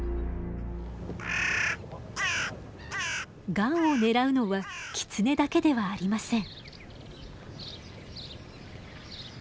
ガンを狙うのはキツネだけではありません。